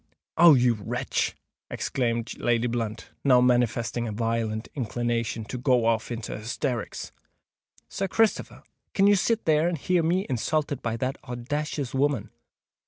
"Oh! you wretch!" exclaimed Lady Blunt, now manifesting a violent inclination to go off into hysterics. "Sir Christopher! can you sit there and hear me insulted by that owdacious woman?